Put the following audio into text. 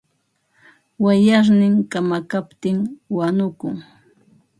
Wayarnin kamakaptin wanukun.